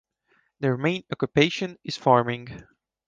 Their main occupation is farming.